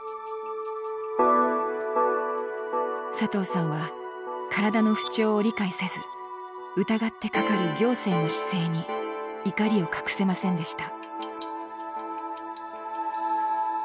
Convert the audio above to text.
佐藤さんは体の不調を理解せず疑ってかかる行政の姿勢に怒りを隠せませんでした。